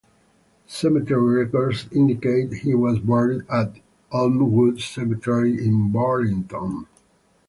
Cemetery records indicate he was buried at Elmwood Cemetery in Burlington.